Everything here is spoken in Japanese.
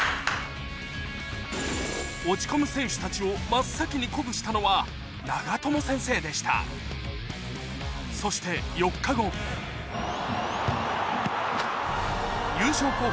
落ち込む選手たちを真っ先に鼓舞したのは長友先生でしたそして４日後優勝候補